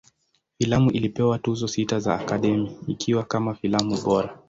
Filamu ilipewa Tuzo sita za Academy, ikiwa kama filamu bora.